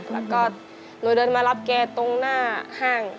แล้วก็หนูเดินมารับแกตรงหน้าห้าง